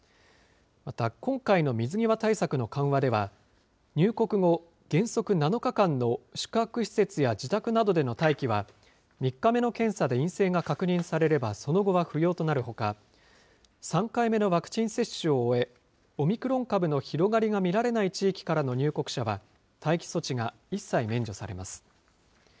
また、今回の水際対策の緩和では、入国後、原則７日間の宿泊施設や自宅などでの待機は、３日目の検査で陰性が確認されればその後は不要となるほか、３回目のワクチン接種を終え、オミクロン株の広がりが見られない地域からの入国者は、待機措置が一切免除されます。